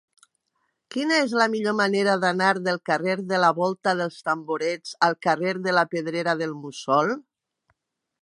Quina és la millor manera d'anar del carrer de la Volta dels Tamborets al carrer de la Pedrera del Mussol?